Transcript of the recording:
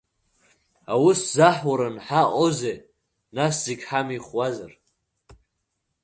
Аус заҳауран ҳаҟоузеи, нас зегь ҳамихуазар!